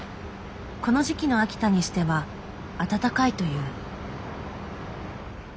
この時期の秋田にしては暖かいという。